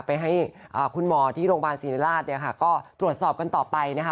ไปให้คุณหมอที่โรงพยาบาลศิริราชเนี่ยค่ะก็ตรวจสอบกันต่อไปนะคะ